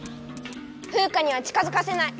フウカには近づかせない！